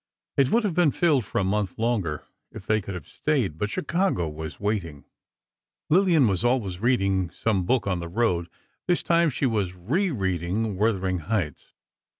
It would have been filled for a month longer, if they could have stayed. But Chicago was waiting. Lillian was always reading some book on the road. This time she was re reading "Wuthering Heights."